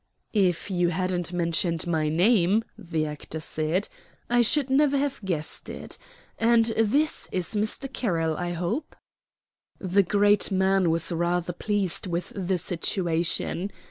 "If you hadn't mentioned my name," the actor said, "I should never have guessed it. And this is Mr. Carroll, I hope." The great man was rather pleased with the situation.